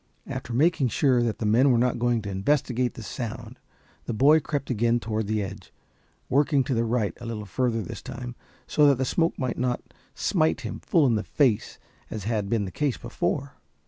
After making sure that the men were not going to investigate the sound, the boy crept again toward the edge, working to the right a little further this time, so that the smoke might not smite him full in the face as had been the case before.